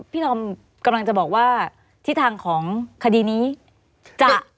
ธอมกำลังจะบอกว่าทิศทางของคดีนี้จะ